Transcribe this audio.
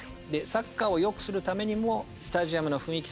サッカーをよくするためにもスタジアムの雰囲気